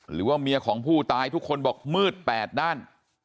หรือว่าเมียของผู้ตายทุกคนบอกมืดแปดด้าน